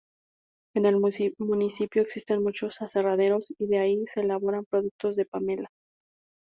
En el municipio existen muchos aserraderos y de allí se elaboran productos de pamela.